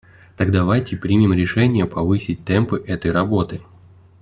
Так давайте примем решение повысить темпы этой работы.